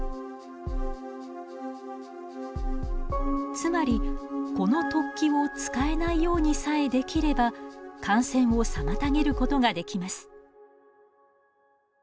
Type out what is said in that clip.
つまりこの突起を使えないようにさえできれば感染を妨げることができます。